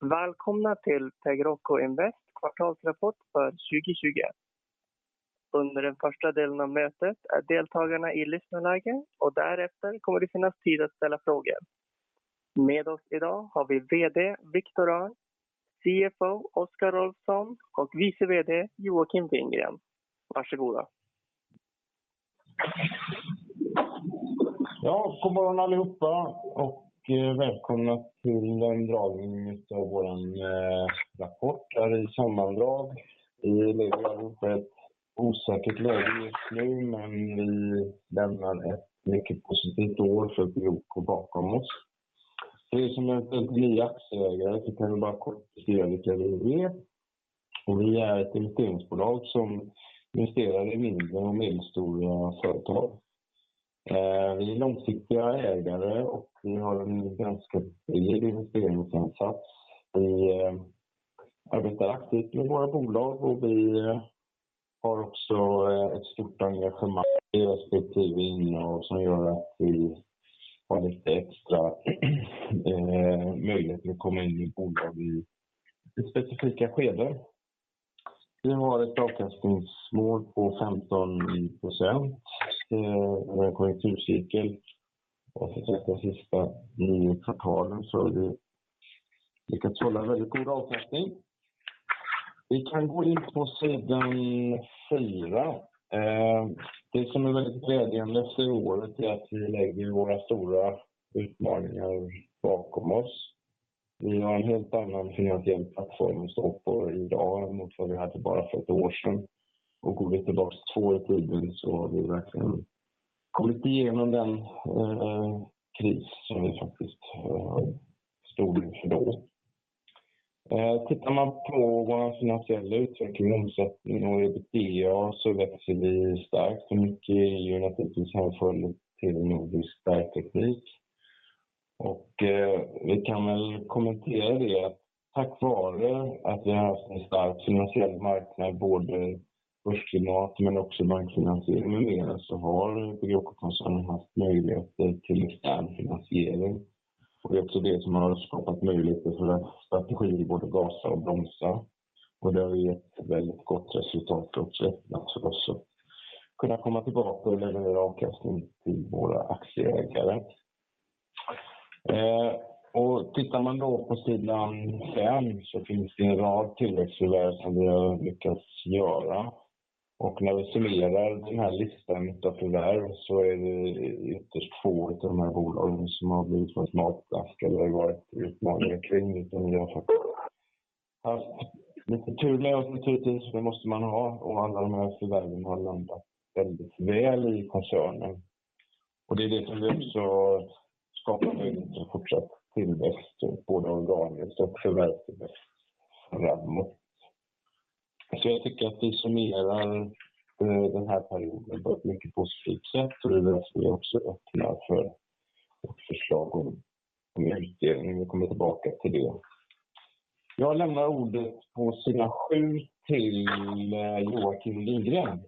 Välkomna till Navigo Invest kvartalsrapport för 2020. Under den första delen av mötet är deltagarna i lyssnarläge och därefter kommer det finnas tid att ställa frågor. Med oss i dag har vi VD Victor Örn, CFO Oscar Rolfsson och Vice VD Joakim Winggren. Varsågoda. Ja, god morgon allihopa och välkomna till en dragning utav vår rapport här i sammandrag. Vi lever i ett osäkert läge just nu, men vi lämnar ett mycket positivt år för Pegroco bakom oss. För er som är nya aktieägare så kan vi bara kort förklara lite vem vi är. Vi är ett investeringsbolag som investerar i mindre och medelstora företag. Vi är långsiktiga ägare och vi har en ganska fri investeringsansats. Vi arbetar aktivt med våra bolag och vi har också ett stort engagemang i respektive innehav som gör att vi har lite extra möjlighet att komma in i bolag i specifika skeden. Vi har ett avkastningsmål på 15% per konjunkturcykel och för de sista 9 kvartalen så har vi lyckats hålla väldigt god avkastning. Vi kan gå in på sidan 4. Det som är väldigt glädjande för året är att vi lägger våra stora utmaningar bakom oss. Vi har en helt annan finansiell plattform att stå på i dag än mot vad vi hade bara för ett år sedan. Går vi tillbaka två i tiden så har vi verkligen kommit igenom den kris som vi faktiskt stod inför då. Tittar man på vår finansiella utveckling, omsättning och EBITDA, så växer vi starkt och mycket är ju naturligtvis en följd till Nordisk Bergteknik. Vi kan väl kommentera det att tack vare att vi har en stark finansiell marknad, både börsklimat men också marknadsfinansiering med mera, så har Navigo Invest-koncernen haft möjligheter till extern finansiering. Det är också det som har skapat möjligheter för strategin att både gasa och bromsa. Det har gett väldigt gott resultat för oss att också kunna komma tillbaka och leverera avkastning till våra aktieägare. Tittar man då på sidan fem så finns det en rad tilläggsförvärv som vi har lyckats göra. När vi summerar den här listan utav förvärv så är det ytterst få utav de här bolagen som har blivit något smärtsk eller varit utmaningar kring, utan vi har faktiskt haft lite tur där naturligtvis. Det måste man ha och alla de här förvärven har landat väldigt väl i koncernen. Det är det som också skapar möjligheter för fortsatt tillväxt, både organiskt och förvärvstillväxt framåt. Jag tycker att det summerar den här perioden på ett mycket positivt sätt och det är därför som vi också öppnar för vårt förslag om utdelning. Vi kommer tillbaka till det. Jag lämnar ordet på sida sju till Joakim Winggren.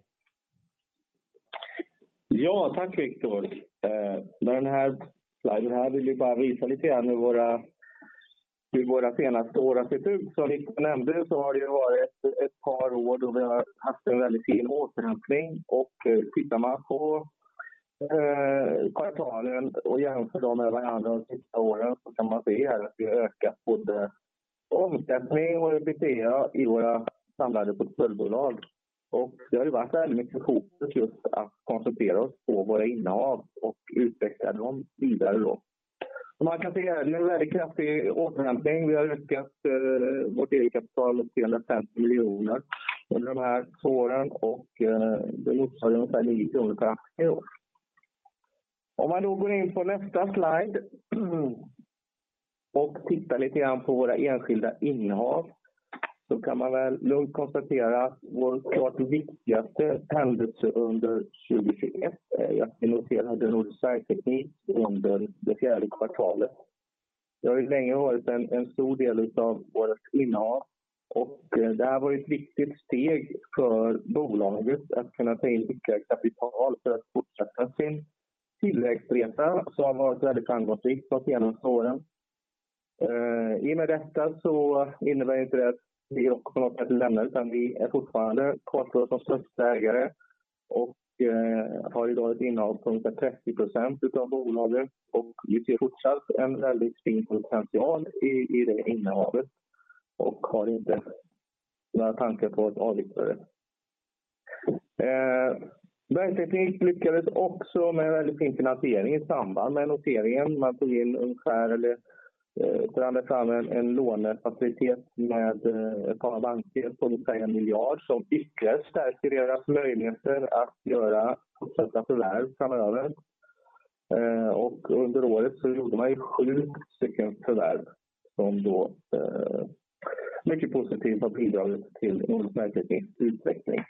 Ja, tack Victor. Med den här sliden här vill vi bara visa lite grann hur våra senaste år har sett ut. Som Victor nämnde så har det ju varit ett par år då vi har haft en väldigt fin återhämtning och tittar man på kvartalen och jämför dem med varandra de sista åren så kan man se här att vi har ökat både omsättning och EBITDA i våra samlade portföljbolag. Det har ju varit väldigt mycket fokus just att koncentrera oss på våra innehav och utveckla dem vidare då. Man kan se här en väldigt kraftig återhämtning. Vi har ökat vårt eget kapital till SEK 350 miljoner under de här åren och det noteras ungefär 9 kronor per aktie i år. Om man då går in på nästa slide och tittar lite grann på våra enskilda innehav, så kan man väl lugnt konstatera vår klart viktigaste händelse under 2021 är att vi noterade Nordisk Bergteknik under det fjärde kvartalet. Det har länge varit en stor del av vårt innehav och det här var ju ett viktigt steg för bolaget att kunna ta in ytterligare kapital för att fortsätta sin tillväxtresa som har varit väldigt framgångsrik de senaste åren. Med detta så innebär inte det att vi också kommer att lämna utan vi är fortfarande kvar som största ägare och har i dag ett innehav på ungefär 30% av bolaget och vi ser fortsatt en väldigt fin potential i det innehavet och har inte några tankar på att avyttra det. Bergteknik lyckades också med en väldigt fin finansiering i samband med noteringen. Man får in ungefär eller drar väl fram en lånefacilitet med ett par banker på ungefär 1 miljard som ytterligare stärker deras möjligheter att fortsätta göra förvärv framöver. Under året så gjorde man ju 7 stycken förvärv som då mycket positivt har bidragit till Nordisk Bergtekniks utveckling.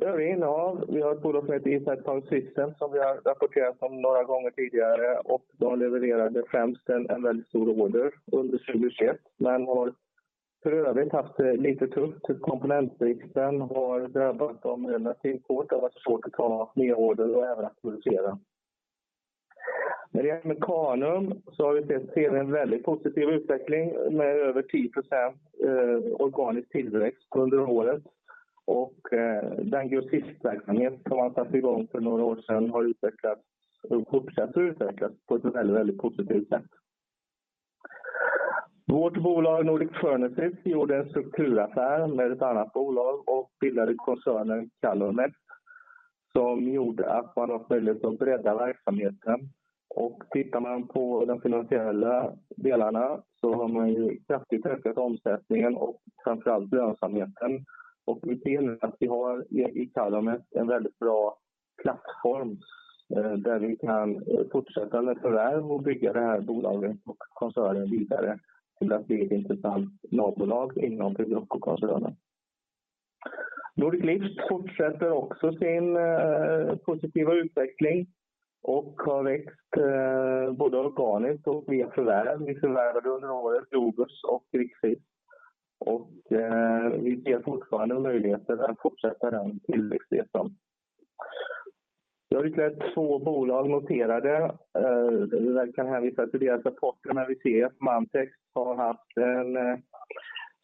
Övriga innehav, vi har ett bolag som heter Impact Sound Systems som vi har rapporterat om några gånger tidigare och de levererade främst en väldigt stor order under 2021 men har för övrigt haft det lite tungt. Komponentbristen har drabbat dem relativt hårt. Det har varit svårt att ta nya order och även att producera. När det gäller Mechanum så har vi sett en väldigt positiv utveckling med över 10% organisk tillväxt under året. Den grossistverksamheten som man satte i gång för några år sedan har utvecklats och fortsätter att utvecklas på ett väldigt positivt sätt. Vårt bolag Nordic Furnaces gjorde en strukturaffär med ett annat bolag och bildade koncernen CalorMet, som gjorde att man har möjlighet att bredda verksamheten. Tittar man på de finansiella delarna så har man ju kraftigt ökat omsättningen och framför allt lönsamheten. Vi ser nu att vi har i CalorMet en väldigt bra plattform där vi kan fortsätta med förvärv och bygga det här bolaget och koncernen vidare till att bli ett intressant labbolag inom gruppen och koncernen. Nordic Lift fortsätter också sin positiva utveckling och har växt både organiskt och via förvärv. Vi förvärvade under året Globus och Rikshiss och vi ser fortfarande möjligheter att fortsätta den tillväxtresan. Vi har ytterligare två bolag noterade. Jag kan hänvisa till deras rapporter, men vi ser att Mantex har haft en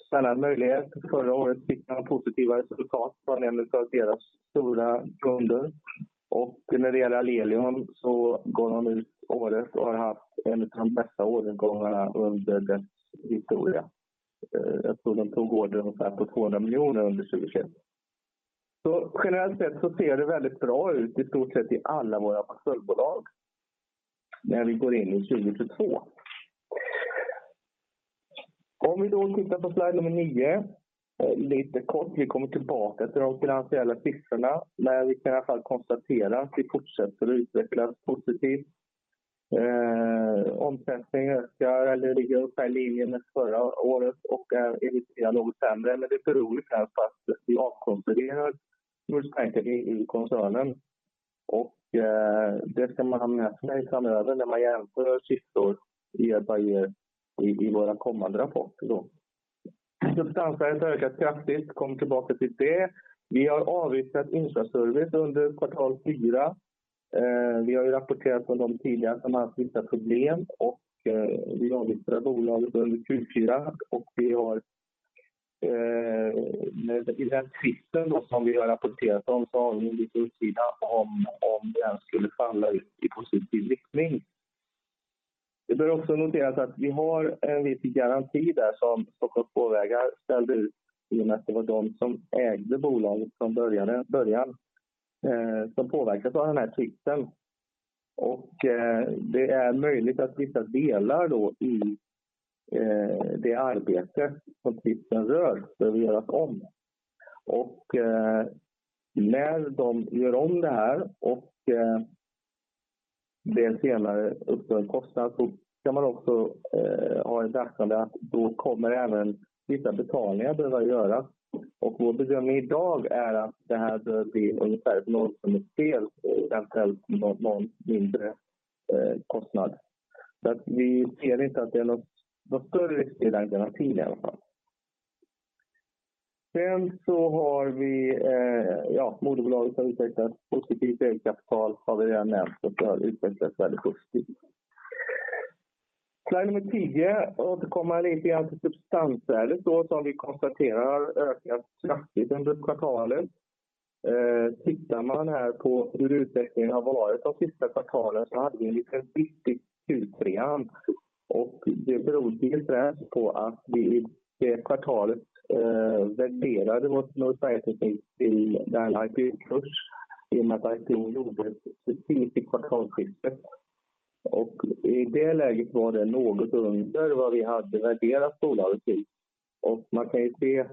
spännande möjlighet. Förra året fick de positiva resultat från en utav deras stora kunder. När det gäller Alelion så går de ut året och har haft en utav de bästa årgångarna under dess historia. Jag tror de tog order på 200 million under 2021. Generellt sett så ser det väldigt bra ut i stort sett i alla våra portföljbolag när vi går in i 2022. Om vi då tittar på slide number 9. Lite kort, vi kommer tillbaka till de finansiella siffrorna, men vi kan i alla fall konstatera att vi fortsätter att utvecklas positivt. Omsättningen ökar eller ligger ungefär i linje med förra året och är initialt något sämre. Det beror ju kanske på att vi avkonsoliderar Mustänket i koncernen. Det ska man ha med sig framöver när man jämför siffror year by year i våra kommande rapporter då. Substansvärdet ökar kraftigt, kommer tillbaka till det. Vi har avyttrat Infraservice under kvartal fyra. Vi har ju rapporterat från dem tidigare som haft vissa problem och vi avyttrade bolaget under Q4. Vi har i den tvisten då som vi har rapporterat om så har vi en liten utsida om den skulle falla i positiv riktning. Det bör också noteras att vi har en viss garanti där som Stockholms Spårvägar ställde ut i och med att det var de som ägde bolaget från början, som påverkades av den här tvisten. Det är möjligt att vissa delar då i det arbete som tvisten rör behöver göras om. När de gör om det här och det senare uppstår en kostnad, så kan man också ha i beaktande att då kommer även vissa betalningar behöva göras. Vår bedömning i dag är att det här bör bli ungefär ett nollsummespel, eventuellt någon mindre kostnad. Att vi ser inte att det är något större risk i den garantin i alla fall. Vi har, ja, moderbolaget har utvecklat positivt eget kapital. Vi har redan nämnt det och det har utvecklats väldigt positivt. Slide nummer 10. Vi återkommer lite grann till substansvärdet då som vi konstaterar har ökat kraftigt under kvartalet. Tittar man här på hur utvecklingen har varit de sista kvartalen så hade vi lite en riktig Q3-ramp. Det berodde till dels på att vi i det kvartalet värderade vårt Nordisk Bergteknik i den här aktiekursen i och med att aktien gjorde ett litet kvartalsskifte. I det läget var det något under vad vi hade värderat bolaget till. Man kan ju se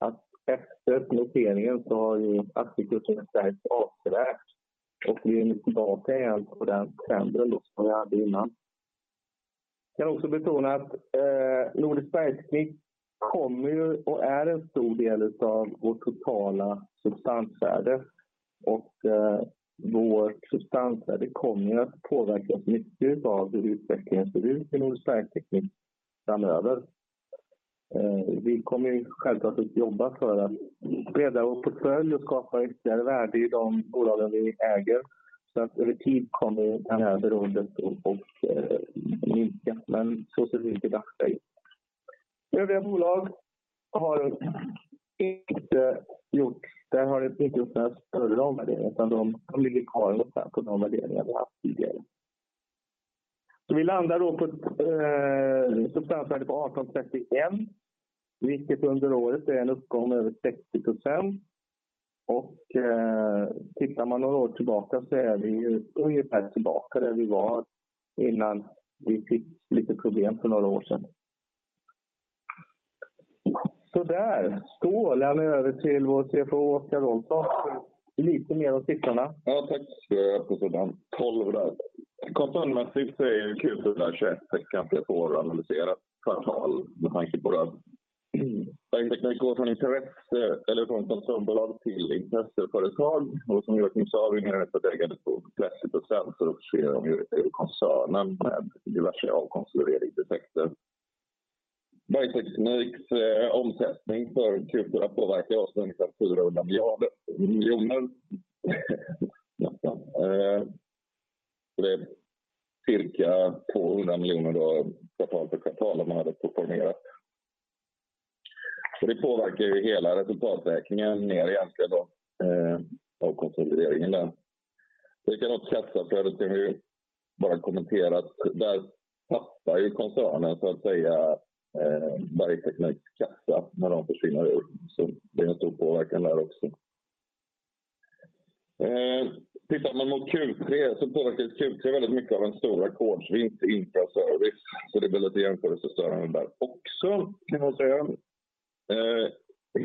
att efter noteringen så har ju aktiekursen starkt återhämtat sig och vi är nu tillbaka igen på den trenden då som vi hade innan. Jag kan också betona att Nordisk Bergteknik kommer ju och är en stor del av vårt totala substansvärde och vårt substansvärde kommer att påverkas mycket av utvecklingen i Nordisk Bergteknik framöver. Vi kommer ju självklart att jobba för att bredda vår portfölj och skapa ytterligare värde i de bolagen vi äger. Så att över tid kommer det här beroendet att minska, men så ser det inte ut. Övriga bolag har inte gjort några större omvärderingar, utan de ligger kvar ungefär på de värderingar vi haft tidigare. Vi landar då på ett substansvärde på 18.35, vilket under året är en uppgång över 60%. Tittar man några år tillbaka så är vi ju ungefär tillbaka där vi var innan vi fick lite problem för några år sedan. Sådär, då lämnar jag över till vår CFO Oscar Rolfsson för lite mer om siffrorna. Ja tack, jag tar över då. Koncernmässigt så är ju Q4 ett ganska svåranalyserat kvartal med tanke på att Nordisk Bergteknik går från koncernbolag till intresseföretag. Som Georg nu sa innan är det ett ägande på 30% så då sker omstrukturering i koncernen med diverse avkonsolideringseffekter. Nordisk Bergtekniks omsättning för Q4 påverkar oss ungefär 400 million. Det är cirka SEK 200 million då totalt för kvartalet om man hade portföljerat. Det påverkar ju hela resultaträkningen mer egentligen av konsolideringen där. Vi kan också bara kommentera kassaflödet nu att där tappar ju koncernen så att säga Nordisk Bergtekniks kassa när de försvinner upp. Det är en stor påverkan där också. Tittar man mot Q3 så påverkas Q3 väldigt mycket av en stor rekordvinst i Infraservice. Det blir lite jämförelsestörande där också kan man säga.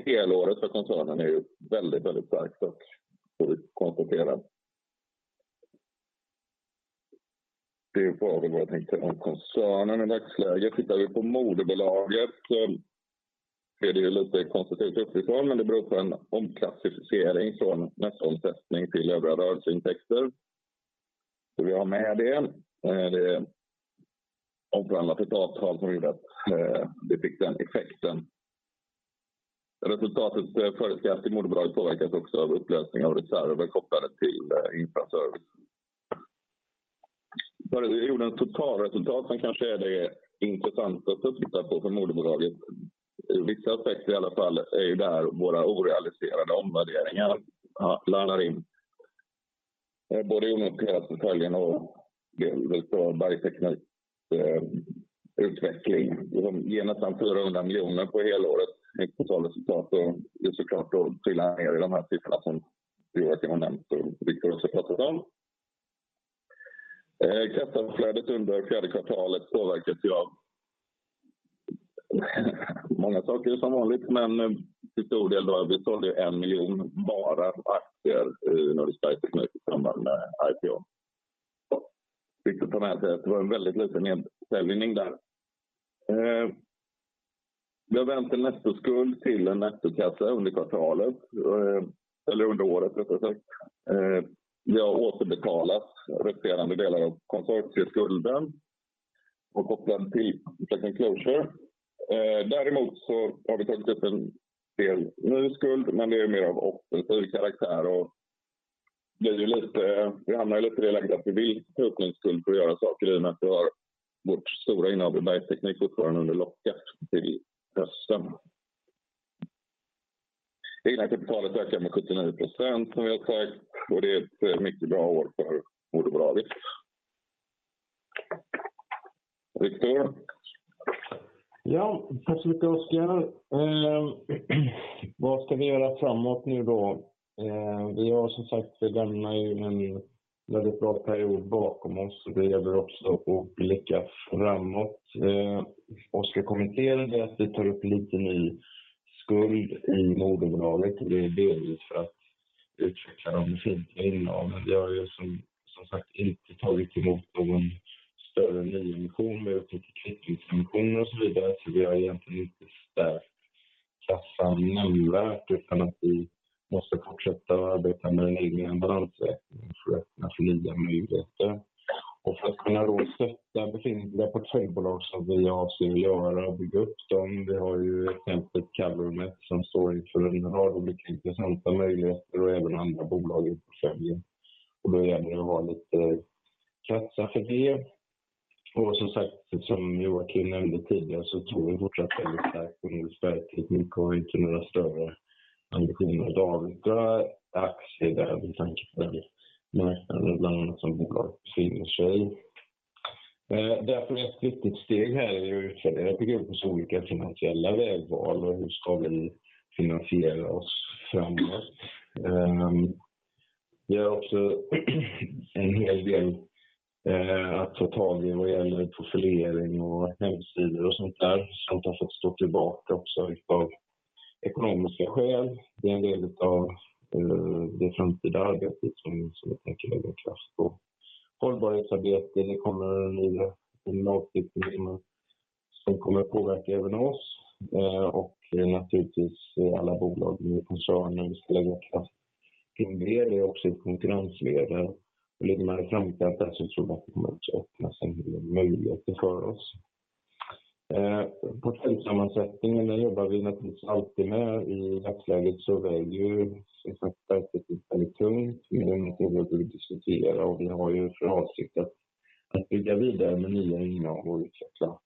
Helåret för koncernen är ju väldigt starkt och konstaterat. Det är ju frågan vad jag tänkte om koncernen i dagsläget. Tittar vi på moderbolaget så är det ju lite konstigt uppifrån, men det beror på en omklassificering från nettoomsättning till övriga rörelseintäkter. Så vi har med det. Det är omförhandlat resultatkrav som gjorde att det fick den effekten. Resultatet för det här kvartalet i moderbolaget påverkas också av upplösning av reserver kopplade till Infraservice. När vi gjorde en totalresultat som kanske är det intressanta att titta på för moderbolaget. I vissa aspekter i alla fall är ju där våra orealiserade omvärderingar laddar in. Både mot Tack så mycket Oscar. Vad ska vi göra framåt nu då? Vi har som sagt, vi lämnar ju en väldigt bra period bakom oss och det gäller också att blicka framåt. Oscar kommenterade det att vi tar upp lite ny skuld i moderbolaget och det är delvis för att utveckla de befintliga innehaven. Vi har ju som sagt inte tagit emot någon större nyemission med utökat teckningsoption och så vidare. Vi har egentligen inte stärkt kassan nämnvärt utan att vi måste fortsätta arbeta med den egna balansräkningen för att öppna för nya möjligheter. För att kunna då stötta befintliga portföljbolag som vi avser att göra och bygga upp dem. Vi har ju exempel CalorMet som står inför en rad olika intressanta möjligheter och även andra bolag i portföljen. Då gäller det att ha lite kassa för det. Som sagt, som Joakim nämnde tidigare, så tror vi fortsatt väldigt starkt på Bergteknik och gör inte några större emissioner av egna aktier med tanke på marknaden bland annat som bolaget befinner sig i. Därför är ett viktigt steg här i att utvärdera olika finansiella vägval och hur ska vi finansiera oss framåt. Vi har också en hel del att ta tag i vad gäller portföljhantering och hemsidor och sånt där. Sånt har fått stå tillbaka också av ekonomiska skäl. Det är en del av det framtida arbetet som vi tänker lägga kraft på. Hållbarhetsarbetet, det kommer nya klimatriktlinjer som kommer att påverka även oss och naturligtvis alla bolag i koncernen. Vi ska lägga kraft på det. Det är också en konkurrensfördel. I linje med det framtida så tror jag att det kommer också öppnas en hel del möjligheter för oss. Portföljsammansättningen, den jobbar vi naturligtvis alltid med. I dagsläget så väger ju som sagt Nordisk Bergteknik väldigt tungt. Det är något vi diskuterar och vi har ju för avsikt att bygga vidare med nya innehav och utveckla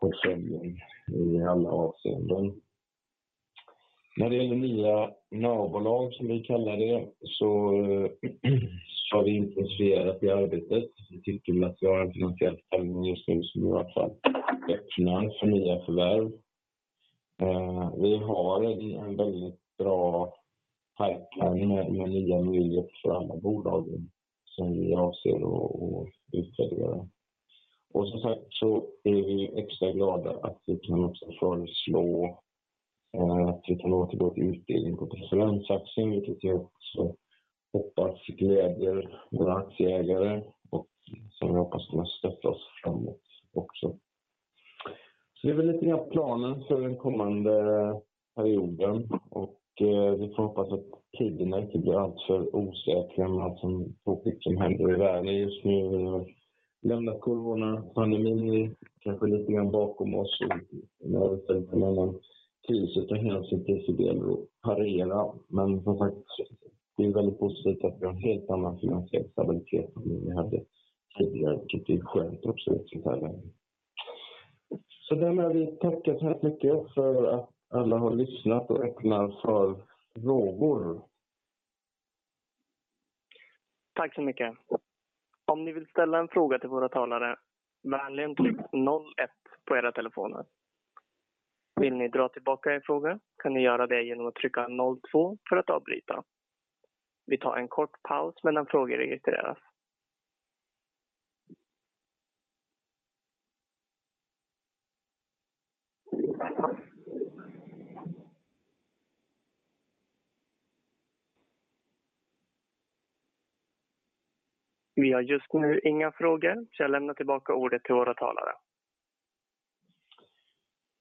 portföljen i alla avseenden. När det gäller nya navbolag, som vi kallar det, så har vi intensifierat det arbetet. Vi tycker väl att vi har en finansiell ställning just nu som i alla fall öppnar för nya förvärv. Vi har en väldigt bra pipeline med nya möjligheter för alla bolagen som vi avser att vidare. Som sagt, så är vi extra glada att vi kan också föreslå att vi tar åter vårt utdelning på preferensaktien, vilket jag också hoppas glädjer våra aktieägare och som vi hoppas kommer att stötta oss framåt också. Det är väl lite grann planen för den kommande perioden och vi får hoppas att tiderna inte blir alltför osäkra med allt som händer i världen just nu. Vi har lämnat Corona-pandemin kanske lite grann bakom oss. Nu har vi självklart annan kris att ta hand om sin del och parera. Som sagt, det är väldigt positivt att vi har en helt annan finansiell stabilitet än vi hade tidigare, vilket är skönt också i så fall. Därmed vill vi tacka så hemskt mycket för att alla har lyssnat och öppnar för frågor. Tack så mycket. Om ni vill ställa en fråga till våra talare, vänligen tryck noll ett på era telefoner. Vill ni dra tillbaka er fråga? Kan ni göra det igenom att trycka noll två för att avbryta. Vi tar en kort paus medan frågor registreras. Vi har just nu inga frågor. Jag lämnar tillbaka ordet till våra talare.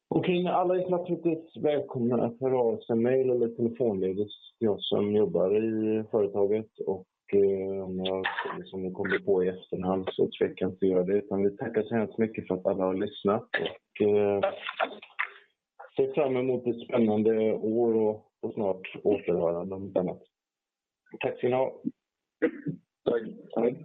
Okej, alla är naturligtvis välkomna att höra av sig en mail eller telefonledes till oss som jobbar i företaget. Om det är något som ni kommer på i efterhand så tveka inte att göra det. Vi tackar så hemskt mycket för att alla har lyssnat och ser fram emot ett spännande år och snart återhörande om annat. Tack ska ni ha. Tack, tack.